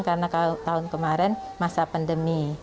karena tahun kemarin masa pandemi